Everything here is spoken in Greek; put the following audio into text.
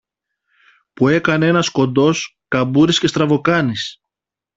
που έκανε ένας κοντός, καμπούρης και στραβοκάνης.